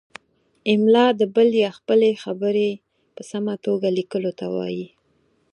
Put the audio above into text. املاء د بل یا خپلې خبرې په سمه توګه لیکلو ته وايي.